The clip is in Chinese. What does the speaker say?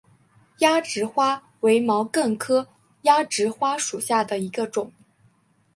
鸦跖花为毛茛科鸦跖花属下的一个种。